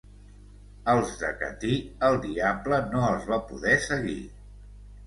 Als de Catí, el diable no els va poder seguir.